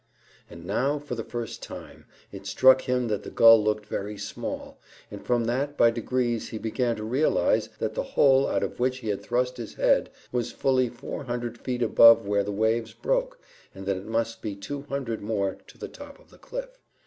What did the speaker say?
And now, for the first time, it struck him that the gull looked very small, and from that by degrees he began to realise that the hole out of which he had thrust his head was fully four hundred feet above where the waves broke, and that it must be two hundred more to the top of the cliff.